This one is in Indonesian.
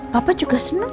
papa juga seneng